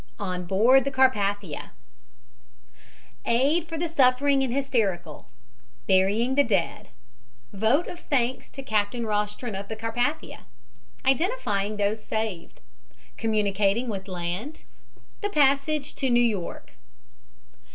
ON BOARD THE CARPATHIA AID FOR THE SUFFERING AND HYSTERICAL BURYING THE DEAD VOTE OF THANKS TO CAPTAIN ROSTRON OF THE CARPATHIA IDENTIFYING THOSE SAVED COMMUNICATING WITH LAND THE PASSAGE TO NEW YORK.